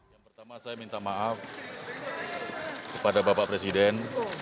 yang pertama saya minta maaf kepada bapak presiden